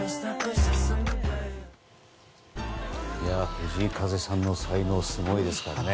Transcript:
藤井風さんの才能すごいですからね。